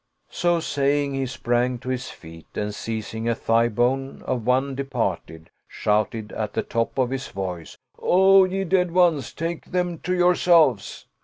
So saying, he sprang to his feet and seizing a thigh bone of one departed, shouted at the top of his voice, " O ye dead ones, take them to your selves